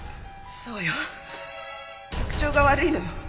そうよ局長が悪いのよ。